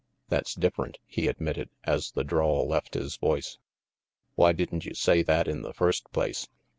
"That's different," he admitted, as the drawl left his voice. "Why didn't you say that in the first place?